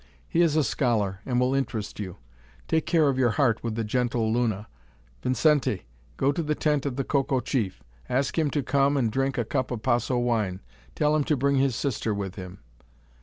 He is a scholar, and will interest you. Take care of your heart with the gentle Luna. Vincente, go to the tent of the Coco chief. Ask him to come and drink a cup of Paso wine. Tell him to bring his sister with him."